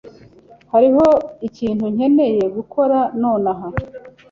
Hariho ikintu nkeneye gukora nonaha.